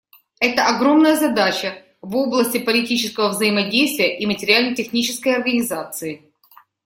Это огромная задача в области политического взаимодействия и материально-технической организации.